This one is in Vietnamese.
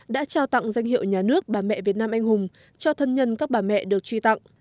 đã trao tặng danh hiệu nhà nước bà mẹ việt nam anh hùng cho thân nhân các bà mẹ được truy tặng